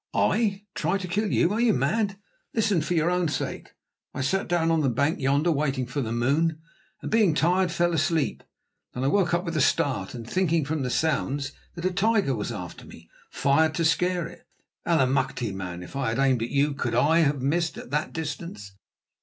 "I try to kill you! Are you mad? Listen, for your own sake. I sat down on the bank yonder waiting for the moon, and, being tired, fell asleep. Then I woke up with a start, and, thinking from the sounds that a tiger was after me, fired to scare it. Allemachte! man, if I had aimed at you, could I have missed at that distance?"